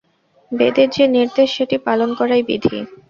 বেদের যে নির্দেশ, সেটি পালন করাই বিধি।